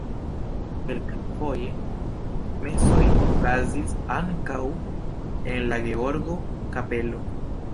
Kelkfoje mesoj okazis ankaŭ en la Georgo-kapelo.